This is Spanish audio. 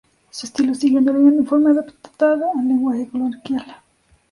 Su estilo sigue una línea uniforme adaptada al lenguaje coloquial.